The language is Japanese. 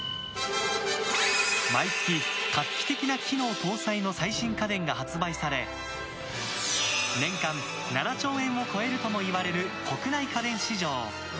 毎月、画期的な機能搭載の最新家電が発売され年間７兆円を超えるともいわれる国内家電市場。